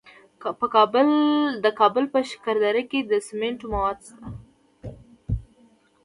د کابل په شکردره کې د سمنټو مواد شته.